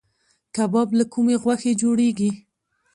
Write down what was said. کباب له کومې غوښې جوړیږي؟